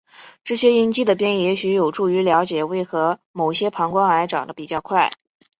这些因基的变异也许有助于了解为何某些膀膀胱癌长得比较快。